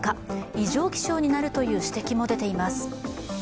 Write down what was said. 異常気象になるという指摘も出ています。